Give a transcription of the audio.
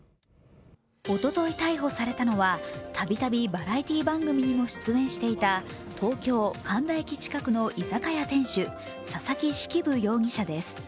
おととい逮捕されたのはたびたびバラエティー番組にも出演していた東京・神田駅近くの居酒屋店主佐々木式部容疑者です。